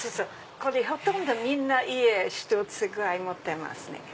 これほとんどみんな家１つぐらい持ってますね。